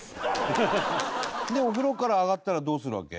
でお風呂から上がったらどうするわけ？